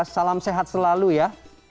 salam sehat selalu ya